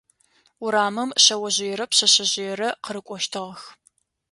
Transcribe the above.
Урамым шъэожъыерэ пшъэшъэжъыерэ къырыкӏощтыгъэх.